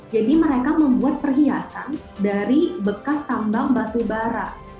mereka membuat perhiasan dari bekas tambang batu bara